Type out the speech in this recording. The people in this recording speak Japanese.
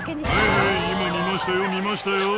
「今見ましたよ見ましたよ」